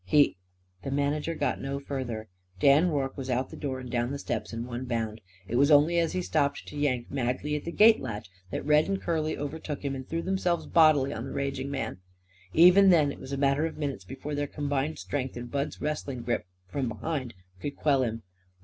He " The manager got no further. Dan Rorke was out of the door and down the steps at one bound. It was only as he stopped to yank madly at the gate latch that Red and Curly overtook him and threw themselves bodily on the raging man. Even then it was a matter of minutes before their combined strength and Bud's wrestling grip, from behind, could quell him.